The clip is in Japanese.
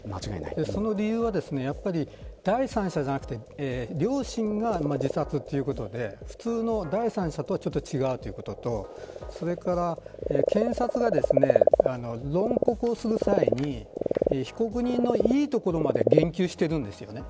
その理由は、第三者じゃなくて両親が自殺したということで普通の第三者とはちょっと違うということとそれから検察が論告をする際に被告人のいいところまで言及しているんですよね。